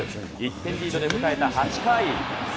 １点リードで迎えた８回。